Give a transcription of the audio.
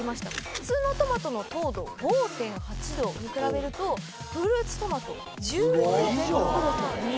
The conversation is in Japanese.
普通のトマトの糖度５．８度に比べるとフルーツトマト１２．６度。